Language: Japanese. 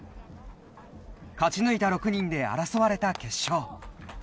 勝ち抜いた６人で争われた決勝。